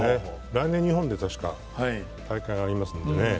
来年日本で、たしか大会がありますのでね。